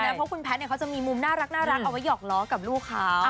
เพราะคุณแพทย์เขาจะมีมุมน่ารักเอาไว้หอกล้อกับลูกเขา